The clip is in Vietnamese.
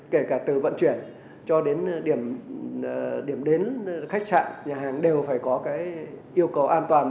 kể cả từ vận chuyển cho đến điểm đến khách sạn nhà hàng đều phải có cái yêu cầu an toàn